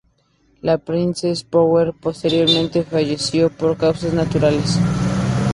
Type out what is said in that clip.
La Princess Power posteriormente falleció por causas naturales.